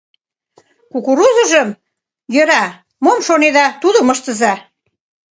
Кукурузыжым... йӧра, мом шонеда, тудым ыштыза.